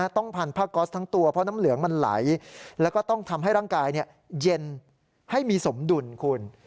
ต้องพันผ้าก๊อสทั้งตัวเพราะน้ำเหลืองมันไหลแล้วก็ต้องทำให้ร่างกายเย็นให้มีสมดุลคุณ